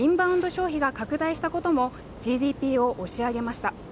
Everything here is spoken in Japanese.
消費が拡大したこともＧＤＰを押し上げました